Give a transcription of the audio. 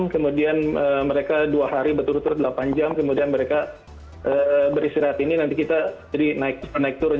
kemudian mereka dua hari berturut turut delapan jam kemudian mereka beristirahat ini nanti kita jadi naik turun